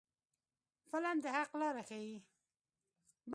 فلم د حق لاره ښيي